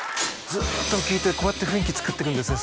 ずっと聞いてこうやって雰囲気作っていくんですね